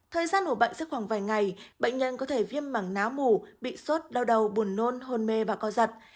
thời gian của bệnh sẽ khoảng vài ngày bệnh nhân có thể viêm mảng nám mủ bị sốt đau đầu buồn nôn hôn mê và co giật